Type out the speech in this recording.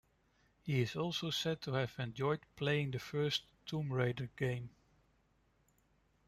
He is also said to have enjoyed playing the first "Tomb Raider" game.